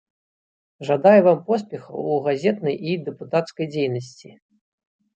Жадаю вам поспехаў у газетнай і дэпутацкай дзейнасці!